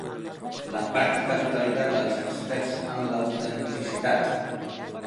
La pràctica totalitat dels experts en l'autenticitat.